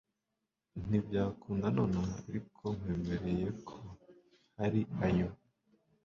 ntibyakunda nonaha ariko nkwemereye ko hari ayo